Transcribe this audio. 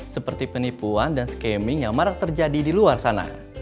seperti penipuan dan scaming yang marak terjadi di luar sana